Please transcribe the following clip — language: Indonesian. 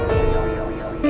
terima kasih bu